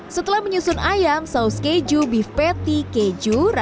setelah menyusun ayam saus keju beef patty dan bumbu pedasnya juga bisa diberikan